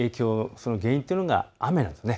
その原因というのが雨なんです。